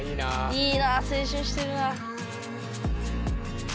いいな青春してるな。